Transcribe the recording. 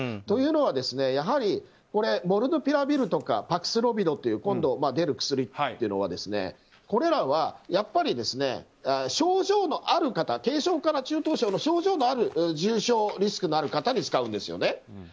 というのはモルヌピラビルとかパクスロビドという今度出る薬というのはこれらは、やっぱり症状のある方軽症から中等症の重症リスクのある方に使うんですよね。